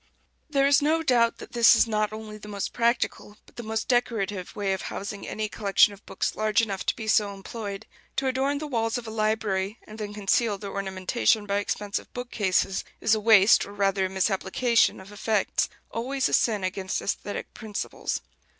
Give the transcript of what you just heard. There is no doubt that this is not only the most practical, but the most decorative, way of housing any collection of books large enough to be so employed. To adorn the walls of a library, and then conceal their ornamentation by expensive bookcases, is a waste, or rather a misapplication, of effects always a sin against æsthetic principles.